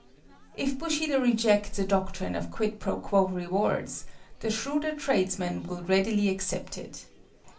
If Bushido rejects a doctrine of quid pro quo rewards, the shrewder tradesman will readily accept it.